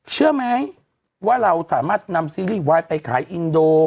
เชื่อไหมว่าเราสามารถนำซีรีส์วายไปขายอินโด